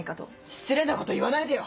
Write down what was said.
失礼なこと言わないでよ！